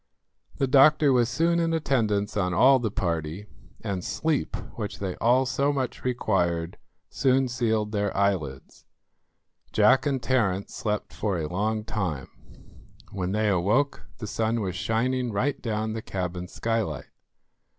The doctor was soon in attendance on all the party, and sleep, which they all so much required, soon sealed their eyelids. Jack and Terence slept for a long time. When they awoke the sun was shining right down the cabin skylight.